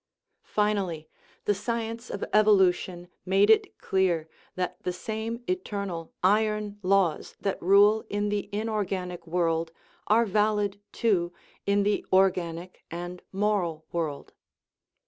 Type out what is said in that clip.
Finally, the science of evolution made it clear that the same eternal iron laws that rule in the inorganic world are valid too in the organic and moral world.